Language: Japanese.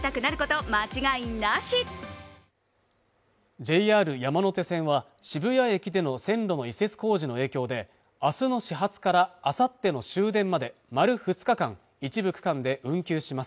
ＪＲ山手線は渋谷駅での線路の移設工事の影響であすの始発からあさっての終電まで丸２日間一部区間で運休します